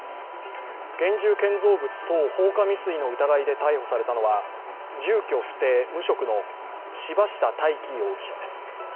現住建造物等放火未遂の疑いで逮捕されたのは住居不定・無職の柴下泰器容疑者です。